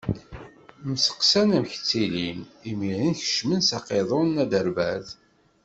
Mmesteqsan amek ttilin, imiren kecmen s aqiḍun n Aderbad.